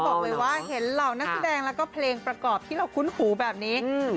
บอกเลยว่าเห็นเหล่านักแสดงแล้วก็เพลงประกอบที่เราคุ้นหูแบบนี้